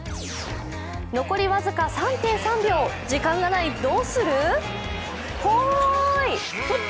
残り僅か３．３秒、時間がない、どうする？